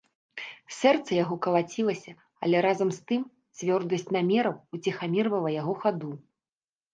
Сэрца яго калацілася, але разам з тым цвёрдасць намераў уціхамірвала яго хаду.